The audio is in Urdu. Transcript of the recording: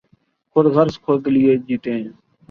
خود غرض خود لئے جیتے ہیں۔